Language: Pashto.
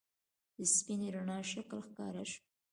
د سپینې رڼا شکل ښکاره شو.